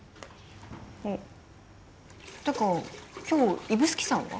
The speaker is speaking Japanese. あってか今日指宿さんは？